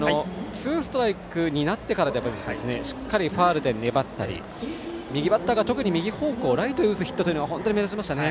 ツーストライクになってからもしっかりファウルで粘ったり右バッターが特に右方向ライトに打つヒットが非常に目立ちましたね。